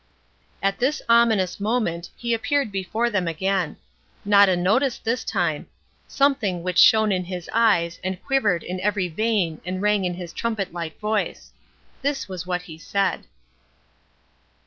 At this ominous moment he appeared before them again. Not a notice this time; something which shone in his eyes and quivered in every vein and rang in his trumpet like voice. This was what he said.